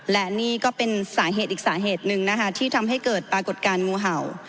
และนี่ก็เป็นสาเหตุอีกสาเหตุหนึ่งนะคะที่ทำให้เกิดปรากฏการณ์งูเห่า